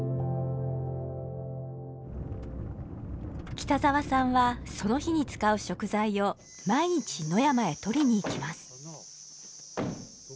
北沢さんはその日に使う食材を毎日野山へ採りに行きます。